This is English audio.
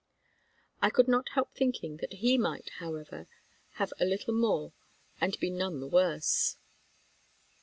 I could not help thinking that he might, however, have a little more and be none the worse.